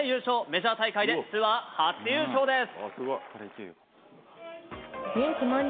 メジャー大会でツアー初優勝です。